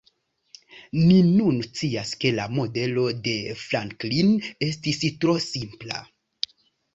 Ni nun scias ke la modelo de Franklin estis tro simpla.